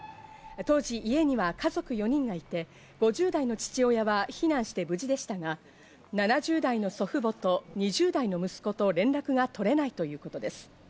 当時、家には家族４人がいて、５０代の父親は避難して無事でしたが、７０代の祖父母と２０代の息子と連絡が取れないということです。